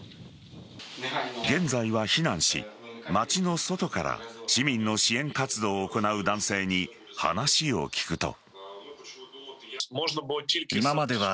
現在は避難し、街の外から市民の支援活動を行う男性に話を聞くと。